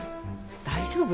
大丈夫？